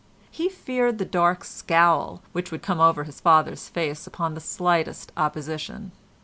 He feared the dark scowl which would come over his father's face upon the slightest opposition.